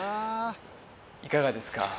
いかがですか？